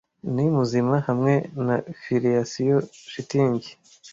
Ni muzima hamwe na filiasiyo, shitingi ;